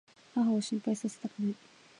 母を心配させたくない。